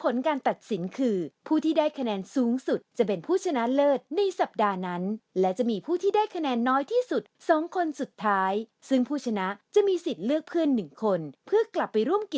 และกฎและกติกามีดังนี้ครับ